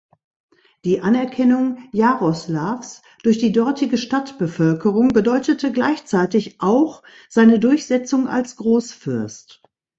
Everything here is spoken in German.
Die Anerkennung Jaroslaws durch die dortige Stadtbevölkerung bedeutete gleichzeitig auch seine Durchsetzung als Großfürst.